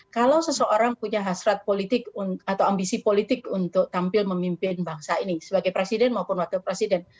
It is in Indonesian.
kalau seseorang punya hasrat politik atau ambisi politik untuk tampil memimpin bangsa ini sebagai presiden maupun wakil presiden